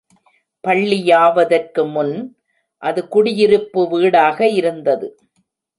பள்ளியாவதற்கு முன் அது குடியிருப்பு வீடாக இருந்தது.